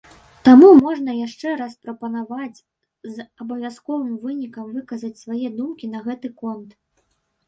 Таму можна яшчэ раз прапанаваць з абавязковым вынікам выказаць свае думкі на гэты конт.